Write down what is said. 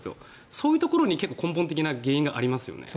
そういうところに根本的な原因がありますよね。